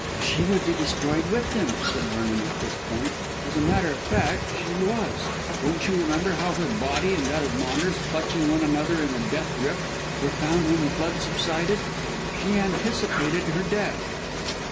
"But she would be destroyed with them," said Vernon at this point, "and as a matter of fact she was. Don't you remember how her body and that of Maunders clutching one another in a death grip were found when the flood subsided? She anticipated her death."